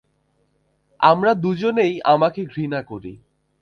আমরা দুজনেই আমাকে ঘৃণা করি।